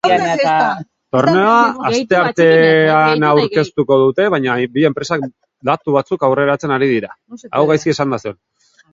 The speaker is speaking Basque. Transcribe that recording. Torneoa astearteanaurkeztuko dute, baina bi enpresak datu batzuk aurreratzen ari dira.